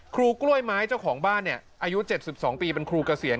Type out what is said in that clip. กล้วยไม้เจ้าของบ้านเนี่ยอายุ๗๒ปีเป็นครูเกษียณ